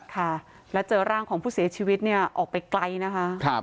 ค่ะแล้วเจอร่างของผู้เสียชีวิตเนี่ยออกไปไกลนะคะ